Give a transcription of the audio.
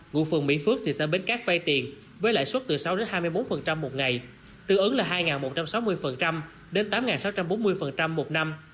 ngụ phường mỹ phước thị xã bến cát vay tiền với lãi suất từ sáu hai mươi bốn một ngày tư ứng là hai một trăm sáu mươi đến tám sáu trăm bốn mươi một năm